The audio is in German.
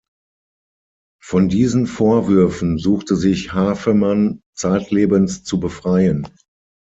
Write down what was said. Von diesen Vorwürfen suchte sich Havemann zeitlebens zu befreien.